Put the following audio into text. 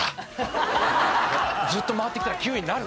ずっと回ってきたら９位になるから。